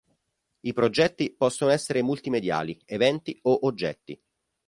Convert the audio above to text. I progetti possono essere multimediali, eventi o oggetti.